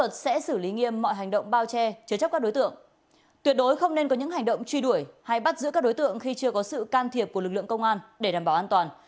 tuyệt đối không nên có những hành động truy đuổi hay bắt giữ các đối tượng khi chưa có sự can thiệp của lực lượng công an để đảm bảo an toàn